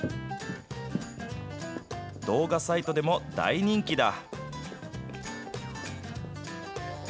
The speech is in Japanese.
動画サイトでも大人気だ。